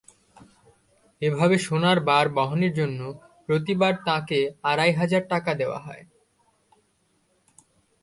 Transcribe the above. এভাবে সোনার বার বহনের জন্য প্রতিবার তাঁকে আড়াইহাজার টাকা করে দেওয়া হয়।